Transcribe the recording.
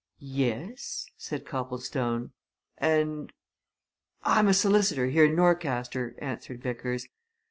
"Yes?" said Copplestone. "And " "I'm a solicitor, here in Norcaster," answered Vickers.